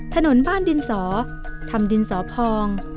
ถนนบ้านดินสอทำดินสอพอง